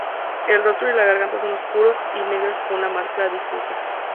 El rostro y la garganta son oscuros y negros con una máscara difusa.